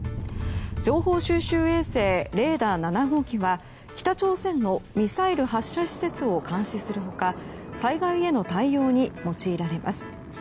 情報収集衛星レーダ７号機は北朝鮮のミサイル発射施設を監視する他災害への対応に用いられます。